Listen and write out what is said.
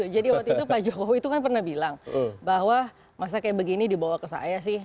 jadi waktu itu pak jokowi itu kan pernah bilang bahwa masa kayak begini dibawa ke saya sih